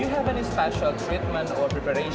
untuk membuatku terlihat tidak seperti